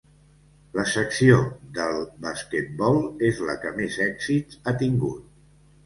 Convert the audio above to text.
La secció del basquetbol és la que més èxits ha tingut.